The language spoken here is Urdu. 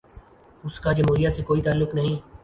اس کا جمہوریت سے کوئی تعلق نہیں۔